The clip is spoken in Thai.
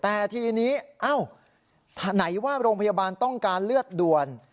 แต่ทีนี้เอ้าไหนว่าโรงพยาบาลต้องการเลือดด่วน